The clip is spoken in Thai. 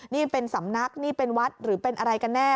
นี่เป็นสำนักนี่เป็นวัดหรือเป็นอะไรกันแน่